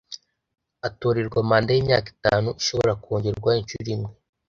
atorerwa manda y’imyaka itanu ishobora kongerwa inshuro imwe